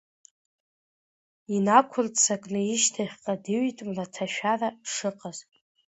Инақәырццакны ишьҭахьҟа дыҩит мраҭашәара шыҟаз.